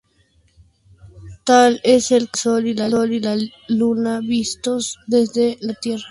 Tal es el caso del Sol y la Luna vistos desde la Tierra.